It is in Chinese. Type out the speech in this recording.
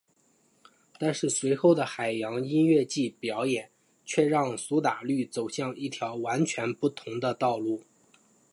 但是随后的海洋音乐季表演却让苏打绿走向一条完全不同的道路。